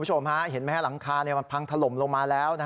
คุณผู้ชมเห็นไหมหลังคามันพังถล่มลงมาแล้ว